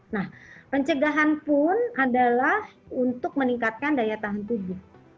nah pencegahan pun adalah untuk meningkatkan daya tahan tubuh